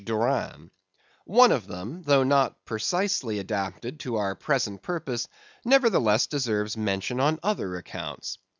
Durand." One of them, though not precisely adapted to our present purpose, nevertheless deserves mention on other accounts.